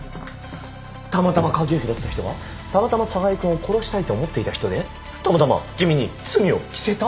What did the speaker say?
たまたま鍵を拾った人がたまたま寒河江君を殺したいと思っていた人でたまたま君に罪を着せた？